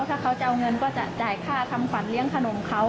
ถ้าเขาจะเอาเงินก็จะจ่ายค่าทำขวัญเลี้ยงขนมเขา